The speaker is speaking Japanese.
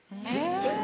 えっ？